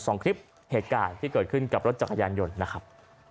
สองคลิปเหตุการณ์ที่เกิดขึ้นกับรถจักรยานยนต์นะครับ